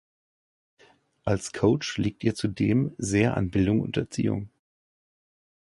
Als Coach liegt ihr zudem sehr an Bildung und Erziehung.